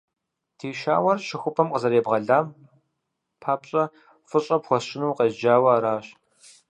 Ди щауэр щыхупӀэм къызэребгъэлам папщӀэ фӀыщӀэ пхуэсщӀыну укъезджауэ аращ.